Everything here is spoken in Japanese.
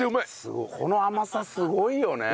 この甘さすごいよね。